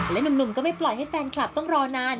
และหนุ่มก็ไม่ปล่อยให้แฟนคลับต้องรอนาน